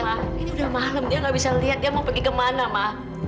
ma ini udah malam dia nggak bisa lihat dia mau pergi ke mana ma